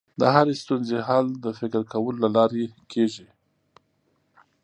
د هرې ستونزې حل د فکر کولو له لارې کېږي.